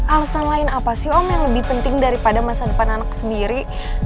alasan lain apa sih om yang lebih penting daripada masa depan anak sendiri